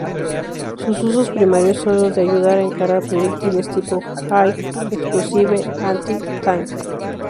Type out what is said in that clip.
Sus usos primarios son los de ayudar a encarar proyectiles tipo "H"igh "E"xplosive "A"nti-"T"ank.